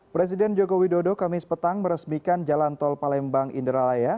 presiden jokowi dodo kamis petang meresmikan jalan tol palembang inderalaya